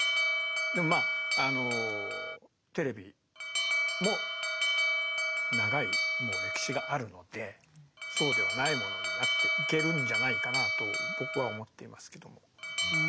でもまああのテレビも長いもう歴史があるのでそうではないものになっていけるんじゃないかなと僕は思っていますけども。